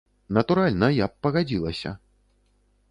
Натуральна, я б пагадзілася.